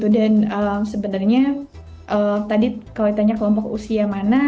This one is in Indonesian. dan sebenarnya tadi kalau ditanya kelompok usia mana